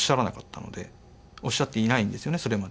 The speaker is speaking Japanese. おっしゃっていないんですよねそれまで。